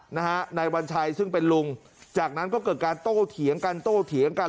นายวัญชัยซึ่งเป็นลุงจากนั้นก็เกิดการโต้เถียงกันโต้เถียงกัน